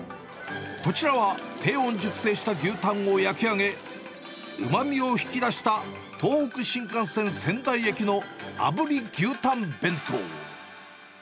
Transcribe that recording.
こちらは低温熟成した牛タンを焼き上げ、うまみを引き出した東北新幹線仙台駅の炙り牛たん弁当。